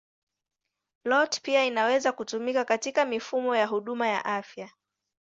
IoT pia inaweza kutumika katika mifumo ya huduma ya afya.